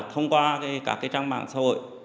thông qua các cái trang mạng xã hội